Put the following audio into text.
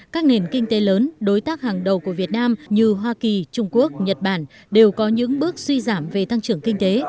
các nền kinh tế lớn đối tác hàng đầu của việt nam như hoa kỳ trung quốc nhật bản đều có những bước suy giảm về tăng trưởng kinh tế